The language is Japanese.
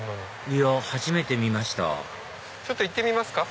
いや初めて見ましたちょっと行ってみますか。